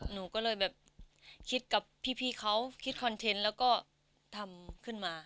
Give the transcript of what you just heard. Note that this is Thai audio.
หนูก็เลยแบบคิดกับพี่เขาคิดคอนเทนต์แล้วก็ทำขึ้นมา